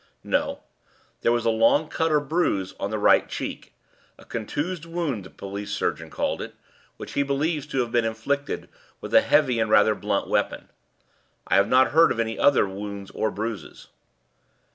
"No; there was a long cut or bruise on the right cheek a contused wound the police surgeon called it, which he believes to have been inflicted with a heavy and rather blunt weapon. I have not heard of any other wounds or bruises."